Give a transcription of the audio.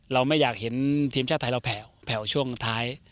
เราไม่อยากเห็นทีมชาติไทยเราแผ่วช่วงท้าย